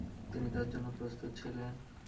তিনি তার জন্য প্রস্তুত ছিলেন।